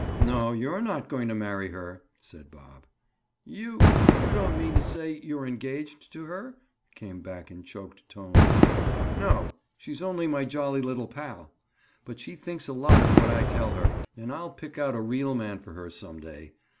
"No, you're not going to marry her," said Bob. "You—you don't mean to say you're engaged to her?" came back in choked tones. "No. She's only my jolly little pal. But she thinks a lot of what I tell her and I'll pick out a real man for her some day.